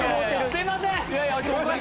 すいません。